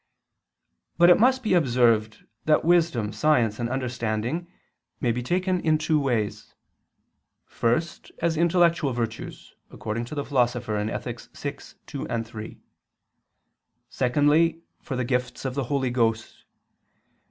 But it must be observed that wisdom, science and understanding may be taken in two ways: first, as intellectual virtues, according to the Philosopher (Ethic. vi, 2, 3); secondly, for the gifts of the Holy Ghost.